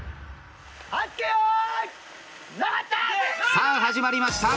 さあ始まりました。